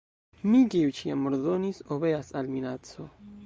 Mi, kiu ĉiam ordonis, obeas al minaco.